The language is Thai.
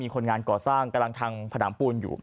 คนงานก่อสร้างกำลังทำผนังปูนอยู่